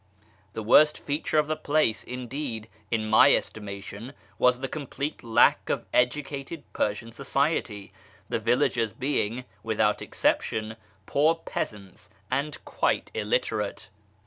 The worst feature of the place, indeed, in my estima tion, was the complete lack of educated Persian society, the villagers being, without exception, poor peasants and quite illiterate.